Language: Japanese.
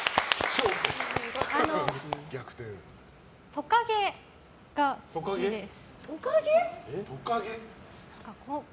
トカゲが好きです。